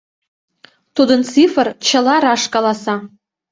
Тудын цифр чыла раш каласа.